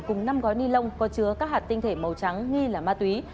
cùng năm gói ni lông có chứa các hạt tinh thể màu trắng nghi là ma túy